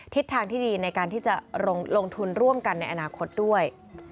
ทิศทางที่ดีในการที่จะลงทุนร่วมกันในอนาคตด้วย